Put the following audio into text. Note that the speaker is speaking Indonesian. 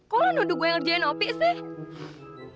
kok lo nuduh gue ngerjain opi sih